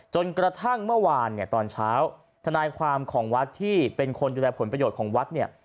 จนกระทั่งเมื่อวานเนี่ยตอนเช้าทนายความของวัดที่เป็นคนดูแลผลประโยชน์ของวัดเนี่ย